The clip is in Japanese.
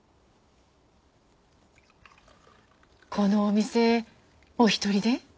このお店お一人で？